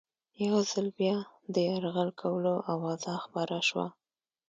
یو ځل بیا د یرغل کولو آوازه خپره شوه.